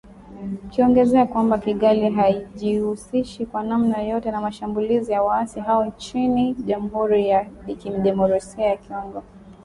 Ikiongezea kwamba Kigali haijihusishi kwa namna yoyote na mashambulizi ya waasi hao nchini Jamuhuri ya kidemokrasia ya Kongo